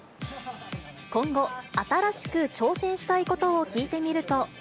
今後、新しく挑戦したいことを聞いてみると。